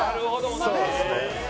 そうですね。